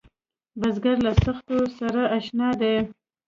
بزګر له سختیو سره اشنا دی